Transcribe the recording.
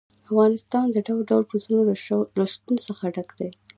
افغانستان د ډول ډول پسونو له شتون څخه ډک دی.